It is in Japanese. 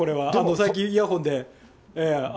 最近イヤホンで。